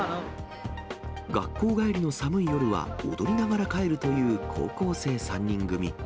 学校帰りの寒い夜は踊りながら帰るという高校生３人組。